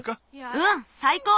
うん！さいこう！